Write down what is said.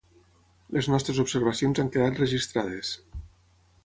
Les nostres observacions han quedat registrades.